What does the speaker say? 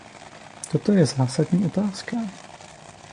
Toto je zásadní otázka.